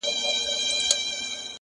یو مُلا وو یوه ورځ سیند ته لوېدلی!!